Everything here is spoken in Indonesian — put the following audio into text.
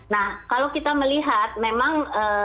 nah kalau kita melihat memang